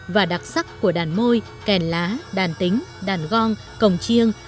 và đặc sắc của đàn môi kèn lá đàn tính đàn gong cổng chiêng